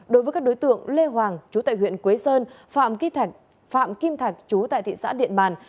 đối với các đối tượng lê hoàng chú tại huyện quế sơn phạm kim thạch chú tại thị xã điện bàn